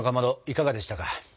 いかがでしたか？